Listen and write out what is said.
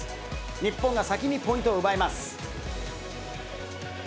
日本が先にポイントを奪います。